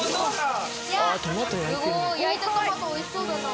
すごい焼いたトマトおいしそうだな。